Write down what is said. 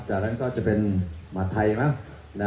จากนั้นก็จะเป็นหมาทัยนะครับ